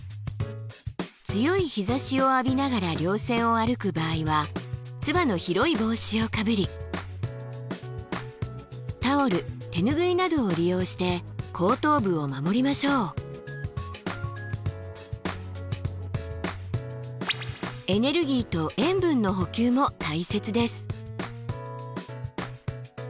強い日差しを浴びながら稜線を歩く場合はつばの広い帽子をかぶりタオル手拭いなどを利用して後頭部を守りましょう。も大切です。